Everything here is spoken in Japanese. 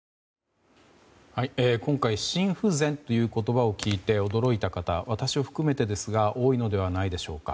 今回、心不全という言葉を聞いて驚いた方、私を含めてですが多いのではないでしょうか。